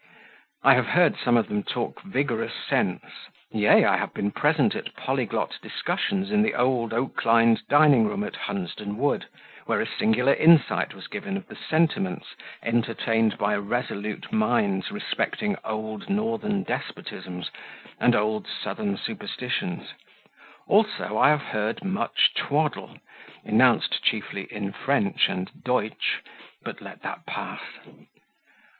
I have heard some of them talk vigorous sense yea, I have been present at polyglot discussions in the old, oak lined dining room at Hunsden Wood, where a singular insight was given of the sentiments entertained by resolute minds respecting old northern despotisms, and old southern superstitions: also, I have heard much twaddle, enounced chiefly in French and Deutsch, but let that pass.